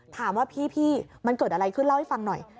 ถามว่าพี่มันเกิดอะไรขึ้นเล่าให้ฟังหน่อย